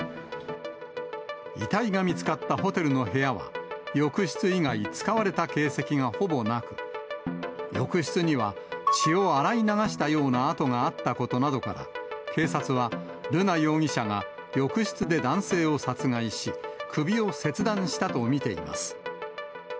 遺体が見つかったホテルの部屋は、浴室以外、使われた形跡がほぼなく、浴室には血を洗い流したような跡があったことなどから、警察は、瑠奈容疑者が浴室で男性を殺害し、首を切断したと見ています。